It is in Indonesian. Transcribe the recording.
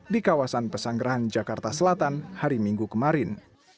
di kawasan pesanggerahan jakarta selatan hari minggu kemarin